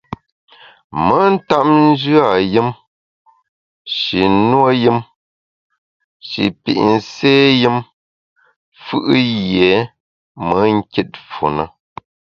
Me ntap njù a yùm, shi nuo yùm, shi pit nsé yùm fù’ yié me nkit fu ne.